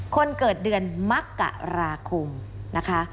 คนเกิดเดือนมกราคมนะคะ